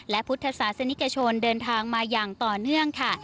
และพุทธศาสนิกชนเดินทางมาอย่างต่อเนื่องค่ะ